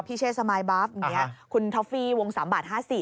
พี่เชสมายบาฟคุณทฟีวงสามบาทห้าสิบ